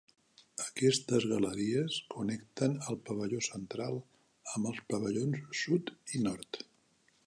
Aquestes galeries connecten el pavelló central amb els pavellons sud i nord.